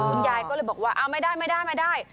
คุณยายก็เลยบอกว่าเอาไม่ได้ไม่ได้